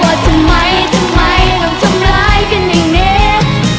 ว่าทำไมทำไมเราทำร้ายกันอย่างนี้